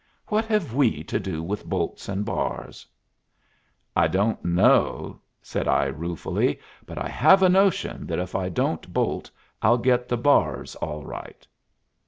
"What have we to do with bolts and bars?" "I don't know," said I ruefully, "but I have a notion that if I don't bolt I'll get the bars all right."